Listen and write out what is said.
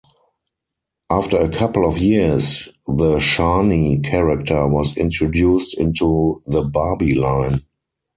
After a couple of years the Shani character was introduced into the Barbie line.